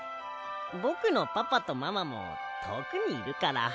ぼくのパパとママもとおくにいるから。